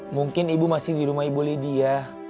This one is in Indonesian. mungkin ibu masih di rumah ibu lidi ya